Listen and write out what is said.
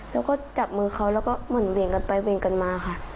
แล้วก็จับมือเขาแล้วก็เหมือนเวียงกันไปเวียงกันมาค่ะ